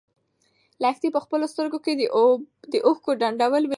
لښتې په خپلو سترګو کې د اوښکو ډنډول ولیدل.